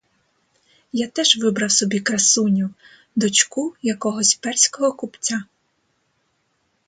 Я теж вибрав собі красуню, дочку якогось перського купця.